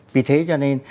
vì thế cho nên